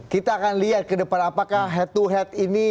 kita akan lihat ke depan apakah head to head ini